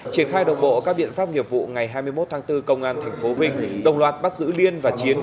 triển khai độc bộ các biện pháp nghiệp vụ ngày hai mươi một tháng bốn công an tp vinh đồng loạt bắt giữ liên và chiến